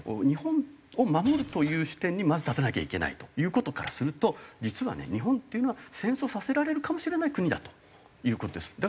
日本を守るという視点にまず立たなきゃいけないという事からすると実はね日本っていうのは戦争させられるかもしれない国だという事です。